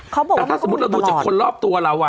เขาบอกแต่ถ้าสมมุติเราดูจากคนรอบตัวเรา